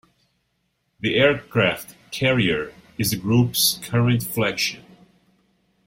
The aircraft carrier is the group's current flagship.